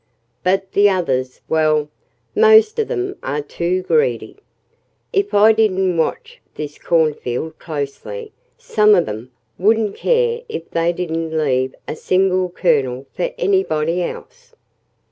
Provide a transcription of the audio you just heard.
But the others well, most of them are too greedy. If I didn't watch this cornfield closely some of them wouldn't care if they didn't leave a single kernel for anybody else."